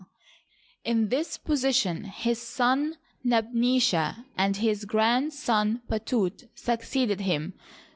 '* In this position his son Nebnesha and his grandson Patut succeeaed him.